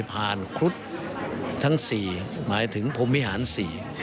ผ่านครุฑทั้งสี่หมายถึงพรมวิหารสี่